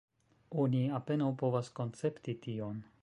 Oni apenaŭ povas koncepti tion.